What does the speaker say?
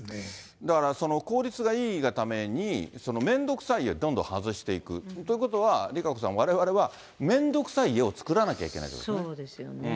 だから効率がいいがために、めんどくさいをどんどん外していく、ということは、ＲＩＫＡＣＯさん、われわれは面倒くさい家を作らなきゃいけないということでそうですよね。